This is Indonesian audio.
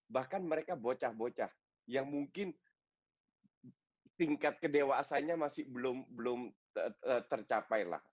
bahkan mereka bocah bocah yang mungkin tingkat kedewasanya masih belum tercapai lah